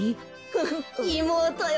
フフッいもうとよ